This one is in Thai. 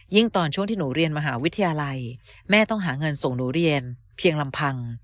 ตอนช่วงที่หนูเรียนมหาวิทยาลัยแม่ต้องหาเงินส่งหนูเรียนเพียงลำพัง